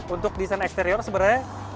untuk desain eksterior sebenarnya